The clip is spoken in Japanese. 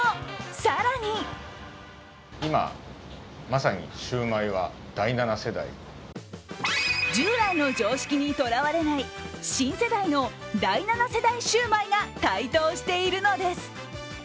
更に従来の常識にとらわれない新世代の第７世代シュウマイが台頭しているのです。